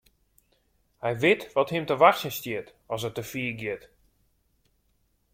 Hy wit wat him te wachtsjen stiet as er te fier giet.